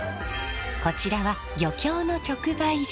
こちらは漁協の直売所。